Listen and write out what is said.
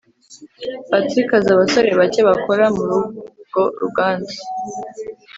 patrick azi abasore bake bakora mururwo ruganda